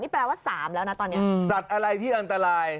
แปลว่า๓แล้วนะตอนนี้สัตว์อะไรที่อันตราย